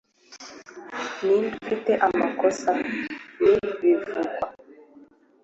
ninde ufite amakosa ndi bivugwa